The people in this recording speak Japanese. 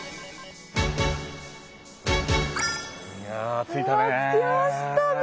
いやあ着いたね。